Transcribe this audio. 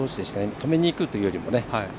止めにいくというよりも。